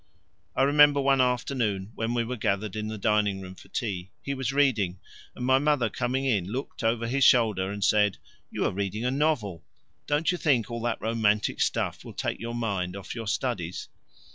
I remember one afternoon when we were gathered in the dining room for tea, he was reading, and my mother coming in looked over his shoulder and said, "You are reading a novel: don't you think all that romantic stuff will take your mind off your studies?"